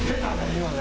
今ね！